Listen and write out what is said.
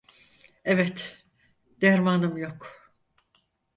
Evet, dermanım yok…